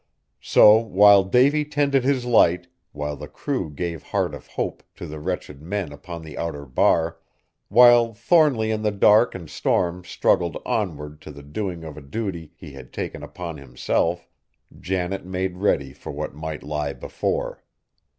So while Davy tended his Light, while the crew gave heart of hope to the wretched men upon the outer bar, while Thornly in the dark and storm struggled onward to the doing of a duty he had taken upon himself, Janet made ready for what might lie before.